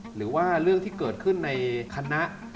หรือว่าเรื่องที่เกิดขึ้นในคณะ